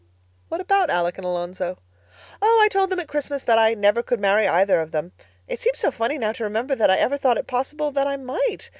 "What about Alec and Alonzo?" "Oh, I told them at Christmas that I never could marry either of them. It seems so funny now to remember that I ever thought it possible that I might.